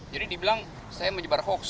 jadi dibilang saya menyebar hoax